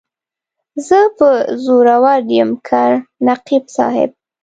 زه به زورور یم که نقیب صاحب.